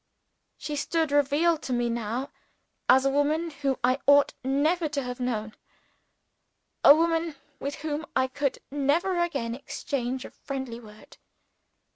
She stood revealed to me now as a woman whom I ought never to have known a woman with whom I could never again exchange a friendly word.